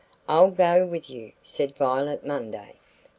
"I'll go with you," said Violet Munday.